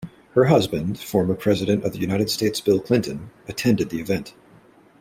Her husband, former President of the United States Bill Clinton, attended the event.